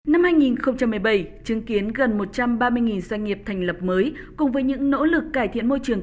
năm hai nghìn một mươi bảy chứng kiến gần một trăm ba mươi doanh nghiệp thành lập mới cùng với những nỗ lực cải thiện môi trường